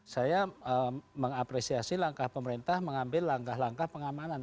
saya mengapresiasi langkah pemerintah mengambil langkah langkah pengamanan